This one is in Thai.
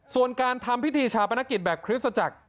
ส่วนการทำพิธีชาปนกิจแบบคริสตจักร